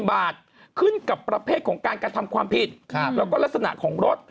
บาทขึ้นกับประเภทของการกระทำความผิดแล้วก็ลักษณะของรถ